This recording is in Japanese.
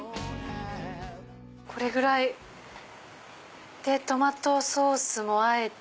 これぐらいトマトソースもあえて。